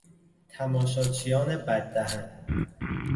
تماشاچیان بد دهن